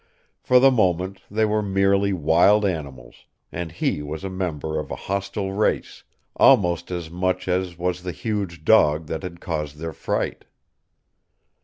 For the moment they were merely wild animals, and he was a member of a hostile race almost as much as was the huge dog that had caused their fright.